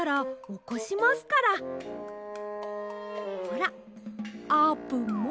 ほらあーぷんも。